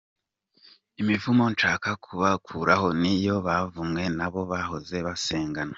Imivumo nshaka kubakuraho ni iyo bavumwe n’abo bahoze basengana.